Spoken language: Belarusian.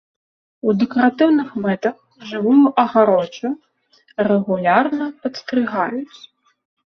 У дэкаратыўных мэтах жывую агароджу рэгулярна падстрыгаюць.